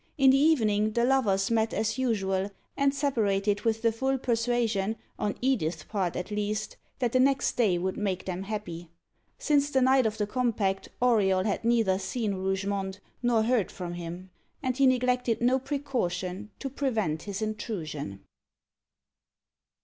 In the evening the lovers met as usual, and separated with the full persuasion, on Edith's part at least, that the next day would make them happy. Since the night of the compact, Auriol had neither seen Rougemont, nor heard from him, and he neglected no precaution to prevent his intrusion.